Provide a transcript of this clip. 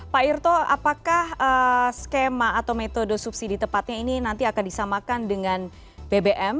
pak irto apakah skema atau metode subsidi tepatnya ini nanti akan disamakan dengan bbm